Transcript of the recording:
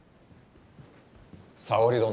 沙織殿。